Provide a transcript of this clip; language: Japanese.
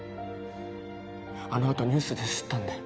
あのあとニュースで知ったんで。